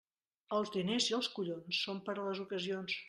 Els diners i els collons són per a les ocasions.